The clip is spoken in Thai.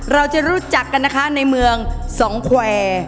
เราจะรู้จักกันนะคะในเมืองสองแควร์